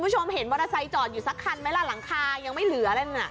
หลังคายังไม่เหลืออะไรนะ